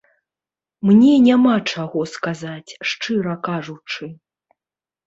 Мне няма чаго сказаць, шчыра кажучы.